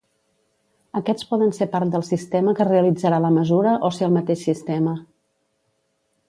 Aquests poden ser part del sistema que realitzarà la mesura o ser el mateix sistema.